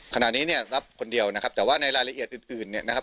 ขณะนี้เนี่ยรับคนเดียวนะครับแต่ว่าในรายละเอียดอื่นเนี่ยนะครับ